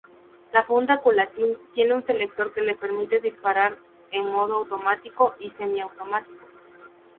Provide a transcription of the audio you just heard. La funda-culatín tiene un selector que le permite disparar en modo automático y semiautomático.